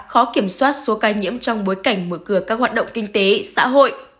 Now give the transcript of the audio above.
khó kiểm soát số ca nhiễm trong bối cảnh mở cửa các hoạt động kinh tế xã hội